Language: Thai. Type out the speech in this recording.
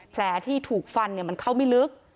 แผลที่ถูกฟันมันเข้าไม่ลึก